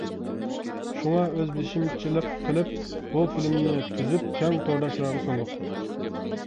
شۇڭا ئۆزبېشىمچىلىق قىلىپ بۇ فىلىمنى تۈزۈپ، كەڭ تورداشلارغا سۇندۇق.